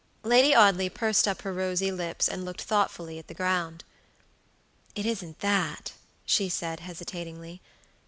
Lady Audley pursed up her rosy lips and looked thoughtfully at the ground. "It isn't that," she said, hesitatingly.